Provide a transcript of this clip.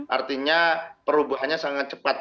artinya perubahannya sangat cepat